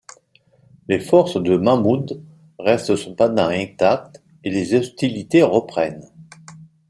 Les forces de Mahmud restent cependant intactes, et les hostilités reprennent.